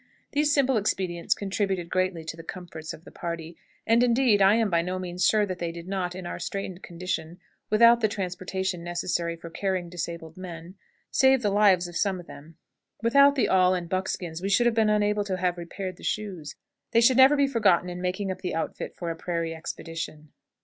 These simple expedients contributed greatly to the comfort of the party; and, indeed, I am by no means sure that they did not, in our straitened condition, without the transportation necessary for carrying disabled men, save the lives of some of them. Without the awl and buckskins we should have been unable to have repaired the shoes. They should never be forgotten in making up the outfit for a prairie expedition.